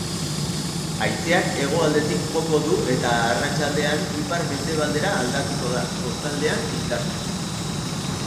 Haizeak hegoaldetik joko du eta arratsaldean ipar-mendebaldera aldatuko da, kostaldean indartsu.